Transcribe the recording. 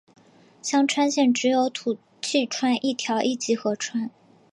香川县只有土器川一条一级河川。